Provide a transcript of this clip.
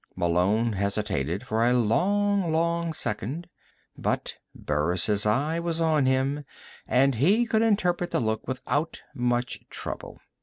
Malone hesitated for a long, long second. But Burris' eye was on him, and he could interpret the look without much trouble.